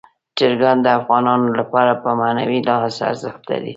چرګان د افغانانو لپاره په معنوي لحاظ ارزښت لري.